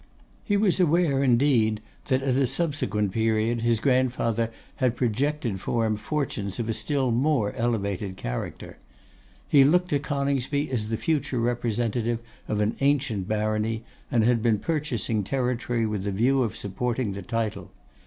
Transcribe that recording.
He was aware, indeed, that at a subsequent period his grandfather had projected for him fortunes of a still more elevated character. He looked to Coningsby as the future representative of an ancient barony, and had been purchasing territory with the view of supporting the title.